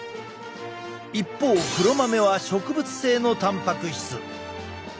一方黒豆は植物性のたんぱく質。